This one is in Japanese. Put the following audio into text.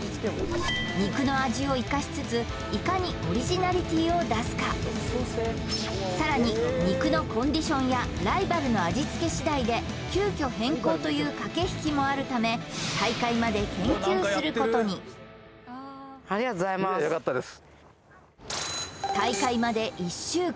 肉の味を生かしつついかにオリジナリティーを出すかさらに肉のコンディションやライバルの味付けしだいで急きょ変更という駆け引きもあるため大会まで研究することにいえよかったです